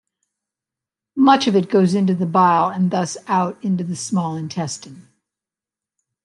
Much of it goes into the bile and thus out into the small intestine.